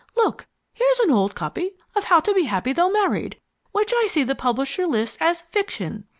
Look, here's an old copy of How to Be Happy Though Married, which I see the publisher lists as 'Fiction.'